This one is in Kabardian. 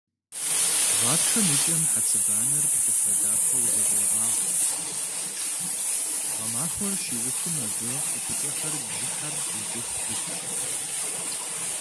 Гъатхэм и кӀэм хьэцыбанэр плъыфэ дахэу зэщӀогъагъэ, гъэмахуэр щиухым абы къыпыкӀэхэр бжьыхьэр икӀыху пытщ.